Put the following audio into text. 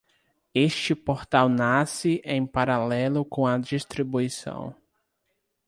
Este portal nasce em paralelo com a distribuição.